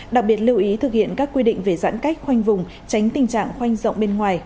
đặc biệt lưu ý thực hiện các quy định về giãn cách khoanh vùng tránh tình trạng khoanh rộng bên ngoài